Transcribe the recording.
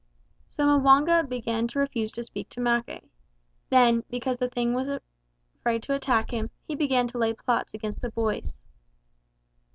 So M'wanga began to refuse to speak to Mackay. Then, because the King was afraid to attack him, he began to lay plots against the boys.